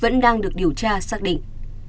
vẫn đang được điều tra xác định